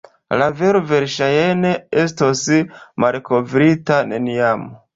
La vero verŝajne estos malkovrita neniam.